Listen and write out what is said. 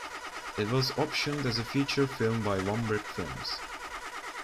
It was optioned as a feature film by One Brick Films.